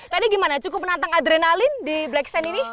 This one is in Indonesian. tadi gimana cukup menantang adrenalin di black sand ini